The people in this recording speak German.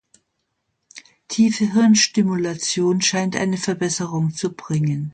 Tiefe Hirnstimulation scheint eine Verbesserung zu bringen.